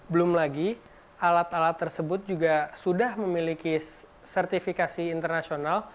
belum lagi alat alat tersebut juga sudah memiliki sertifikasi internasional